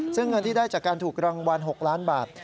ซึ่งเงินที่ได้จากการถูกรางวัล๖ล้านบาท